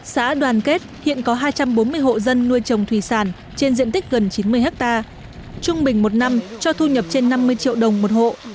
xã đoàn kết hiện có hai trăm bốn mươi hộ dân nuôi trồng thủy sản trên diện tích gần chín mươi ha trung bình một năm cho thu nhập trên năm mươi triệu đồng một hộ